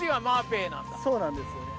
そうなんですよね。